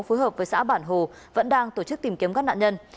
phối hợp với xã bản hồ vẫn đang tổ chức tìm kiếm các nạn nhân